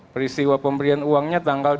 peristiwa pemberian uangnya tanggal